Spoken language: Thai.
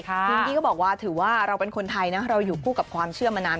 พิงกี้ก็บอกว่าถือว่าเราเป็นคนไทยนะเราอยู่คู่กับความเชื่อมานาน